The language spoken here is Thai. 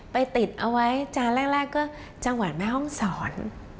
ติดเอาไว้จานแรกก็จังหวัดแม่ห้องศร